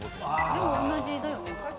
でも同じだよね。